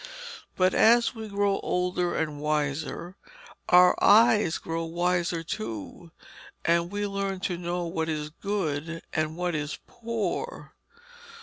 But as we grow older and wiser our eyes grow wiser too, and we learn to know what is good and what is poor.